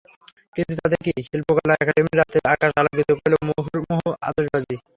কিন্তু তাতে কী, শিল্পকলা একাডেমির রাতের আকাশ আলোকিত করল মুহুর্মুহু আতশবাজি।